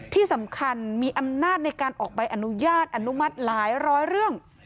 ที่สำคัญมีอำนาจในการออกใบอนุญาตอนุมัติหลายร้อยเรื่อง